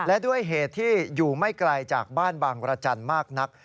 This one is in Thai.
และด้วยเหตุที่อยู่ไม่ไกลจากบ้านบางรจันทร์มากนัก